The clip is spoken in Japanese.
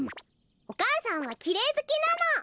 おかあさんはきれいずきなの。